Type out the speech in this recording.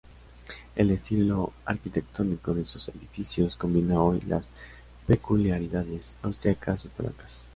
El estilo arquitectónico de sus edificios combina hoy las peculiaridades austríacas y polacas.